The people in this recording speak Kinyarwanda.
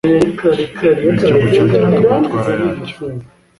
Buri gihugu cyagiraga amatwara yacyo